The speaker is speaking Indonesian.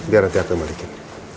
biar nanti aku kembalikan